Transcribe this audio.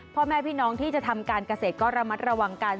พ่อแม่พี่น้องที่จะทำการเกษตรก็ระมัดระวังกัน